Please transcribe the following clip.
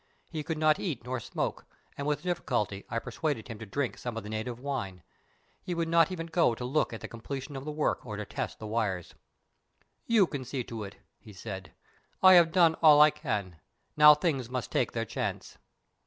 He could not eat nor smoke, and with difficulty I persuaded him to drink some of the native wine. He would not even go to look at the completion of the work or to test the wires. "You can see to it," he said; "I have done all I can. Now things must take their chance."